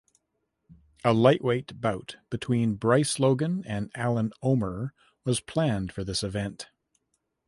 A lightweight bout between Bryce Logan and Alan Omer was planned for this event.